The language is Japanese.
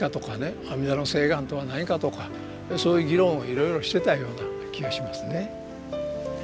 阿弥陀の誓願とは何かとかそういう議論をいろいろしてたような気がしますね。